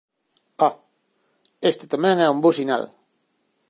Oh, este tamén é un bo sinal.